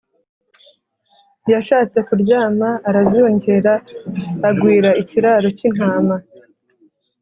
yashatse kuryama arazungera agwira ikiraro k’intama